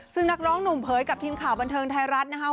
ซึ่งนักร้องหนุ่มเผยกับทีมข่าวบันเทิงไทยรัฐนะคะ